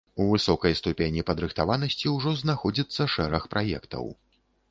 У высокай ступені падрыхтаванасці ўжо знаходзіцца шэраг праектаў.